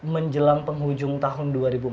menjelang penghujung tahun dua ribu empat belas